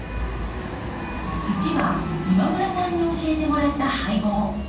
土は今村さんに教えてもらった配合。